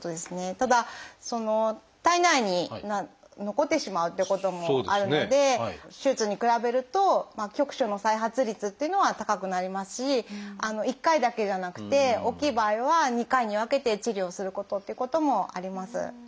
ただその体内に残ってしまうということもあるので手術に比べると局所の再発率っていうのは高くなりますし１回だけじゃなくて大きい場合は２回に分けて治療することっていうこともあります。